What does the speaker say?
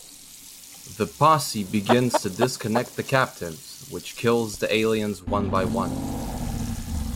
The posse begins to disconnect the captives, which kills the aliens one-by-one.